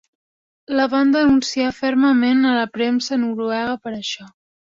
La van denunciar fermament a la premsa noruega per això.